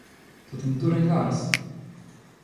— To ten dureń Lars!